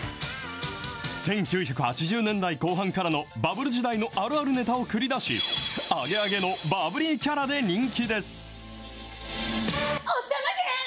１９８０年代後半からのバブル時代のあるあるネタを繰り出し、アゲアゲのバブリーキャラで人気です。